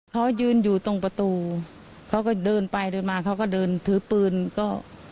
เขายืนอยู่ตรงประตูเขาก็เดินไปเดินมาเขาก็เดินถือปืนก็